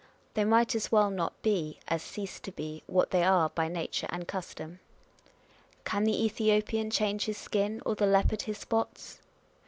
They might as well not be, as cease to be what they are by nature and custom. " Can the Ethiopian change his skin, or the leopard his spots